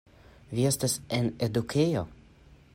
Vi estis en edukejo?